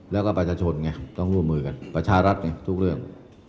แล้วก็ประชาชนไงต้องร่วมมือกันประชารัฐไงทุกเรื่อง